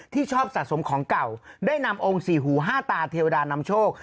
ชอบสะสมของเก่าได้นำองค์สี่หูห้าตาเทวดานำโชค